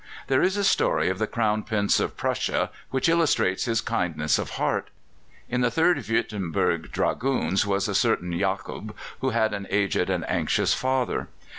There is a story of the Crown Prince of Prussia which illustrates his kindness of heart. In the 3rd Würtemberg Dragoons was a certain Jacob, who had an aged and anxious father.